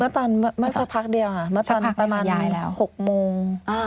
เมื่อสักพักเดียวค่ะเมื่อตอนประมาณ๖โมง